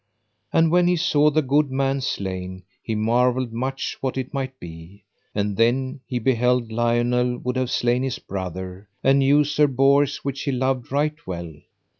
And when he saw the good man slain he marvelled much what it might be. And then he beheld Lionel would have slain his brother, and knew Sir Bors which he loved right well.